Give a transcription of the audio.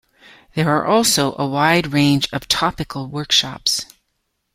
There are also a wide range of topical workshops.